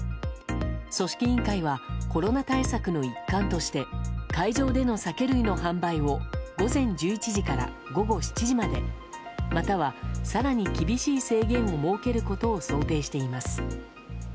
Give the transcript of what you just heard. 組織委員会はコロナ対策の一環として会場での酒類の販売を午前１１時から午後７時までまたは更に厳しい制限も設けることを想定しています。